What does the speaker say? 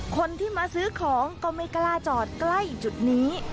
คนที่มาซื้อของก็ไม่กล้าจอดใกล้จุดนี้